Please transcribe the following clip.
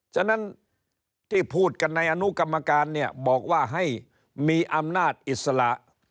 ฉะนั้นที่พูดกันในอนุกรรมการเนี่ยบอกว่าให้มีอำนาจอิสระ